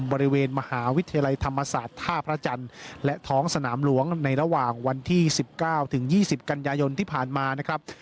บริเวณมหาวิทยาลัยธรรมศาสตร์ท่าพระจันทร์และท้องสนามหลวงในระหว่างวันที่๑๙ถึง๒๐กันยายนที่ผ่านมานะครับ